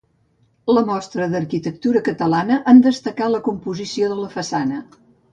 La Mostra d'Arquitectura Catalana en destacà la composició de la façana.